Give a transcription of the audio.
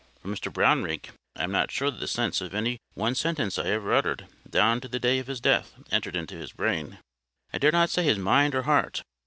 For Mr Brownrigg, I am not sure that the sense of any one sentence I ever uttered, down to the day of his death, entered into his brain—I dare not say his mind or heart.